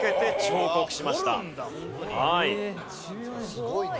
すごいな！